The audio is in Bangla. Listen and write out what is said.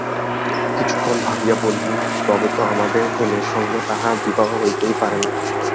কিছুক্ষণ ভাবিয়া বলিলেন, তবে তো আমাদের হেমের সঙ্গে তাহার বিবাহ হইতেই পারে না।